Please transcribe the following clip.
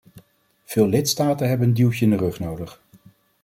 Veel lidstaten hebben een duwtje in de rug nodig.